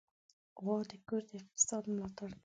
غوا د کور د اقتصاد ملاتړ کوي.